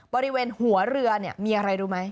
บริเวณหัวเรือมีอะไรรู้ไหม